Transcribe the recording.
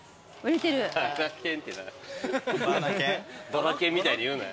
ドラケンみたいに言うな。